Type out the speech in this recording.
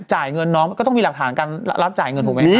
จ่ายเงินน้องก็ต้องมีหลักฐานการรับจ่ายเงินถูกไหม